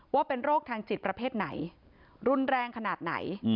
ว่าเป็นโรคทางจิตประเภทไหนรุนแรงขนาดไหน